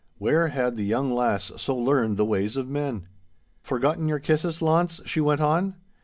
Where had the young lass so learned the ways of men? 'Forgotten your kisses, Launce?' she went on.